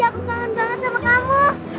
aku kangen banget sama kamu